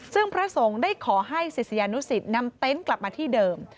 ซึ่งพระสงฆ์ได้ขอให้ศิษยานุสิตนำเต็นต์กลับมาที่เดิม